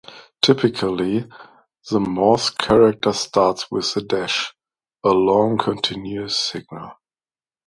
Typically, the Morse character starts with a dash - a long, continuous signal.